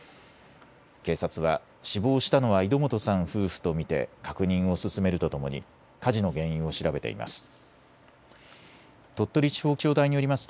警察は死亡したのは井戸本さん夫婦と見て確認を進めるとともに火事の原因を調べています。